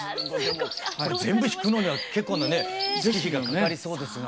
これ全部弾くのには結構なね月日がかかりそうですが。